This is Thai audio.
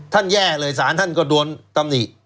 แย่เลยสารท่านก็โดนตำหนิ